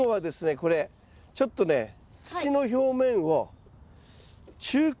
これちょっとね土の表面を中耕。